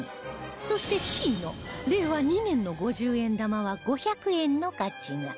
そして Ｃ の令和２年の５０円玉は５００円の価値が